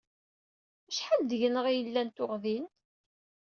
Acḥal deg-neɣ i yellan tuɣ din?